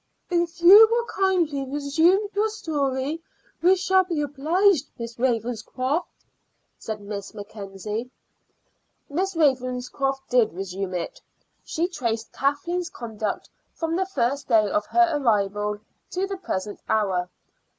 "If you will kindly resume your story we shall be obliged, Miss Ravenscroft," said Miss Mackenzie. Miss Ravenscroft did resume it. She traced Kathleen's conduct from the first day of her arrival to the present hour.